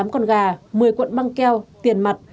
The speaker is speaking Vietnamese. tám con gà một mươi cuộn băng keo tiền mặt